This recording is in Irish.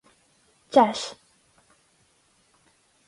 Deis.